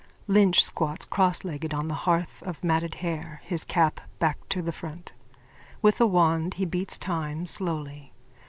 Lynch squats crosslegged on the hearthrug of matted hair, his cap back to the front. With a wand he beats time slowly.